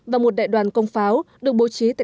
và một đại đoàn quân sự